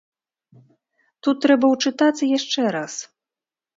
Тут трэба ўчытацца яшчэ раз.